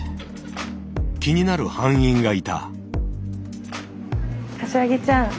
気になる班員がいた。